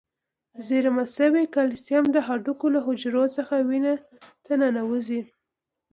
زیرمه شوي کلسیم د هډوکو له حجرو څخه وینې ته ننوزي.